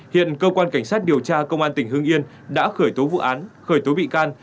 hiện cơ quan cảnh sát điều tra công an tỉnh hương yên đã khởi tố vụ án khởi tố bị can